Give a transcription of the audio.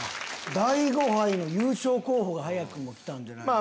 大悟杯の優勝候補が早くも来たんじゃないですか？